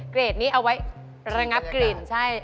เกรดนี้เอาไว้ระงับกลิ่นใช่